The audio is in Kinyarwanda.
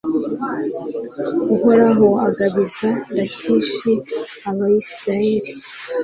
uhoraho agabiza lakishi abayisraheli